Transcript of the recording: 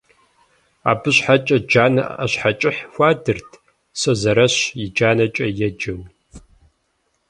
Абы щхьэкӏэ джанэ ӏэщхьэкӏыхь хуадырт, «Созэрэщ и джанэкӏэ» еджэу .